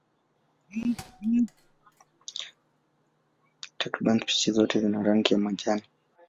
Takriban spishi zote zina rangi ya majani.